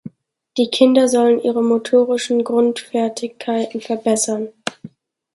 Die Kinder sollen ihre motorischen Grundfertigkeiten verbessern.